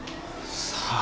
さあ。